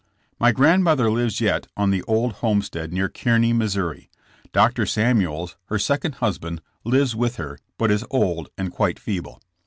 My grandmother lives yet on the old homestead near Kearney, Mo. Dr. Samuels, her second husband, lives with her, but is old and quite feeble.